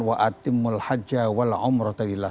wa'atimul hajjah wal'umroh ta'willah